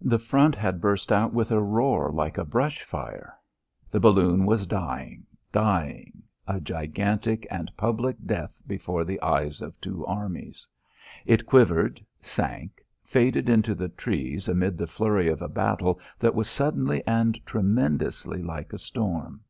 The front had burst out with a roar like a brush fire. The balloon was dying, dying a gigantic and public death before the eyes of two armies. It quivered, sank, faded into the trees amid the flurry of a battle that was suddenly and tremendously like a storm.